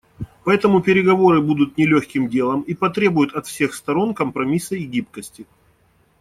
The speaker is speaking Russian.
Поэтому переговоры будут нелегким делом и потребуют от всех сторон компромисса и гибкости.